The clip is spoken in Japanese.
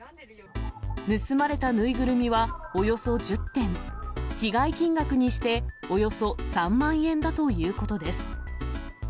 盗まれた縫いぐるみはおよそ１０点、被害金額にしておよそ３万円だということです。